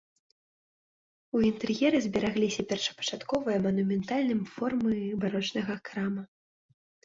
У інтэр'еры зберагліся першапачатковыя манументальным формы барочнага храма.